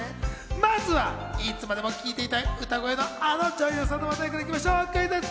まずはいつまでも聞いていたい歌声のあの女優さんの話題から行きましょうクイズッス。